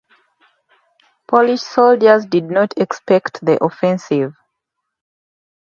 Polish soldiers did not expect the offensive.